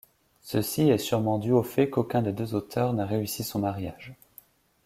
Ceci est sûrement dû au fait qu’aucun des deux auteurs n’a réussi son mariage.